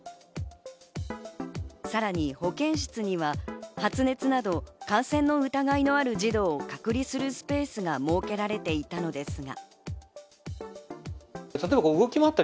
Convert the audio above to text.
さらに保健室には、発熱など感染の疑いのある児童を隔離するスペースが設けられていたのですが。